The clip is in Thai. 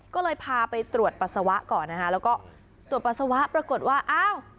ก็เลยพาไปตรวจปัสสาวะก่อนนะคะแล้วก็ตรวจปัสสาวะปรากฏว่าอ้าว